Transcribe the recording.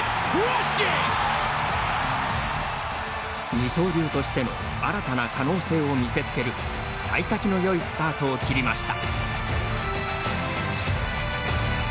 二刀流としての新たな可能性を見せつけるさい先のよいスタートを切りました。